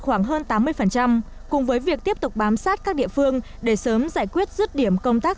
khoảng hơn tám mươi cùng với việc tiếp tục bám sát các địa phương để sớm giải quyết rứt điểm công tác